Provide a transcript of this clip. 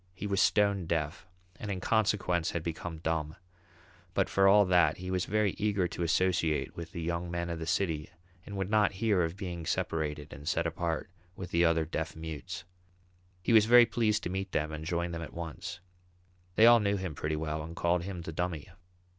He was stone deaf, and in consequence had become dumb; but for all that he was very eager to associate with the young men of the city and would not hear of being separated and set apart with the other deaf mutes. He was very pleased to meet them and joined them at once. They all knew him pretty well and called him the "Dummy."